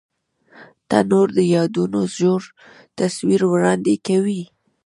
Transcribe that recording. تنور د یادونو ژور تصویر وړاندې کوي